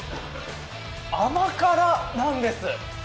甘辛なんです。